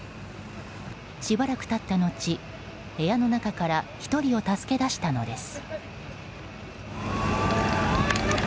しばらく経った後部屋の中から１人を助け出したのです。